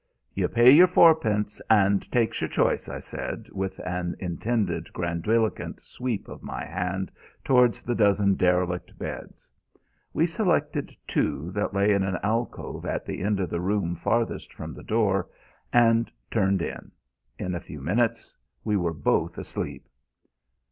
"You pay your fourpence and takes your choice," I said, with an intended grandiloquent sweep of my hand towards the dozen derelict beds. We selected two that lay in an alcove at the end of the room farthest from the door, and turned in. In a few minutes we were both asleep.